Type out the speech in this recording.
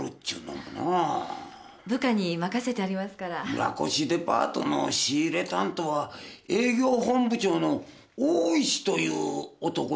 村越デパートの仕入れ担当は営業本部長の「大石」という男じゃそうな。